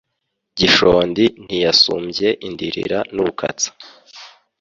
Gishondi ntiyasumbye Indirira n'Urukatsa